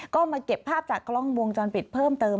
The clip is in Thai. ก็มาเก็บภาพจากกล้องวงจรปิดเพิ่มเติม